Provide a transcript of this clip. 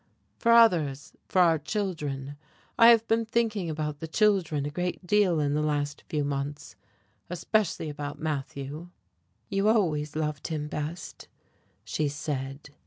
"For others for our children. I have been thinking about the children a great deal in the last few months especially about Matthew." "You always loved him best," she said.